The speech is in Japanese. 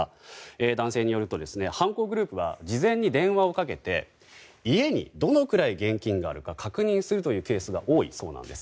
男性によると犯行グループは事前に電話をかけて家にどのくらい現金があるか確認するケースが多いそうなんです。